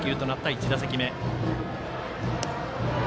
１打席目。